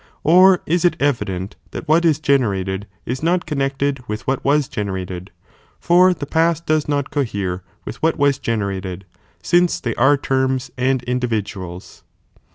* Or is it evident that what is generated is not connected with what was generated ? for the pai^t does not cohere with what was generated, since they are terms and individuals.